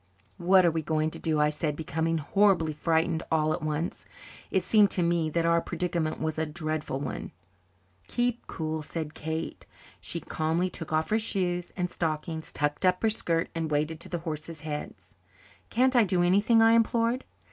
"What are we to do?" I said, becoming horribly frightened all at once. It seemed to me that our predicament was a dreadful one. "Keep cool," said Kate. She calmly took off her shoes and stockings, tucked up her skirt, and waded to the horses' heads. "Can't I do anything?" I implored.